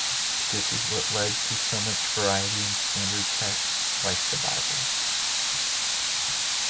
This is what led to so much variety in standard texts like the Bible.